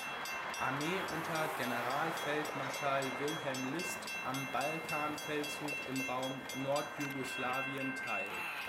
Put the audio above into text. Armee unter Generalfeldmarschall Wilhelm List am Balkanfeldzug im Raum Nord-Jugoslawien teil.